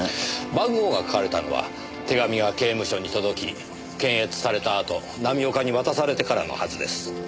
番号が書かれたのは手紙が刑務所に届き検閲されたあと浪岡に渡されてからのはずです。